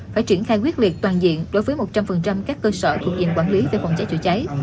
phải triển khai quyết liệt toàn diện đối với một trăm linh các cơ sở thuộc diện quản lý về phòng cháy chữa cháy